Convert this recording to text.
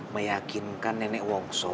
meyakinkan nenek wongso